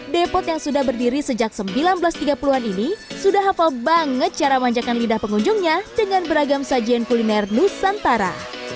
depot yang sudah berdiri sejak seribu sembilan ratus tiga puluh an ini sudah hafal banget cara manjakan lidah pengunjungnya dengan beragam sajian kuliner nusantara